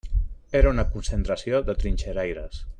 Era una concentració de trinxeraires.